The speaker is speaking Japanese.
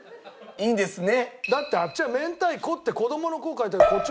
いいんですね？